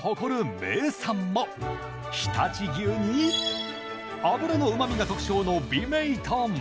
常陸牛に脂のうまみが特徴の美明豚。